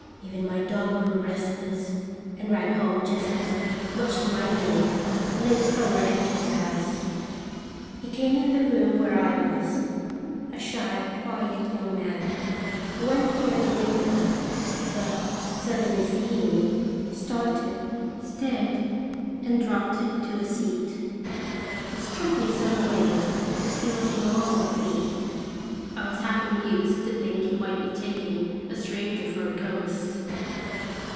Even my dog grew restless, and ran home just as, much to my relief, a late comer entered the house. He came in the room where I was a shy, quiet young man, who went toward the win dow, but, suddenly seeing me, started, stared, and dropped into a seat. It struck me some way that he was in awe of me. I was half amused to think he might be taking a stranger for a ghost.